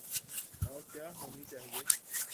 اور کیا ہونی چاہیے۔